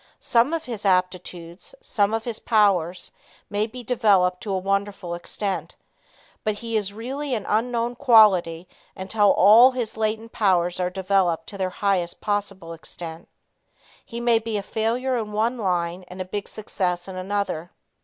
Some of his aptitudes, some of his powers, may be developed to a wonderful extent, but he is really an unknown quality until all his latent powers are developed to their highest possible extent. He may be a failure in one line and a big success in another.